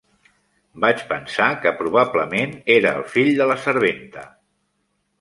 Vaig pensar que probablement era el fill de la serventa.